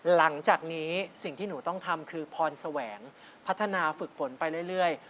หลังจากนี้สิ่งที่หนูต้องทำคือพรแสวงพัฒนาฝึกฝนไปเรื่อย